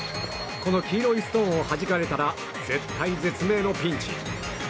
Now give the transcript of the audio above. この黄色いストーンをはじかれたら絶体絶命のピンチに。